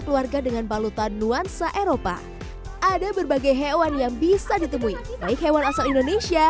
keluarga dengan balutan nuansa eropa ada berbagai hewan yang bisa ditemui baik hewan asal indonesia